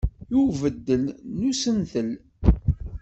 I ubeddel n usentel.